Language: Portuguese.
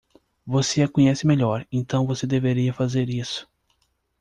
Você a conhece melhor, então você deveria fazer isso.